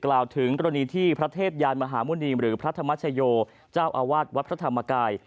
กล่าวถึงกรณีที่พระเทพยานมหาหมุณีหรือพระธรรมชโยเจ้าอาวาสวัดพระธรรมกาย